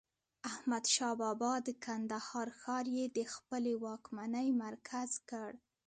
احمدشاه بابا د کندهار ښار يي د خپلې واکمنۍ مرکز کړ.